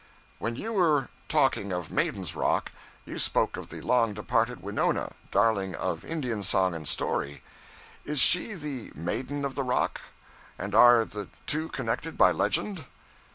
'When you were talking of Maiden's Rock, you spoke of the long departed Winona, darling of Indian song and story. Is she the maiden of the rock? and are the two connected by legend?'